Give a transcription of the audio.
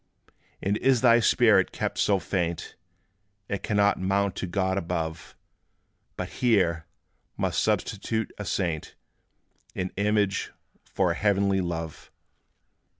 And is thy spirit kept so faint, It cannot mount to God above; But here must substitute a saint, In image, for a heavenly love?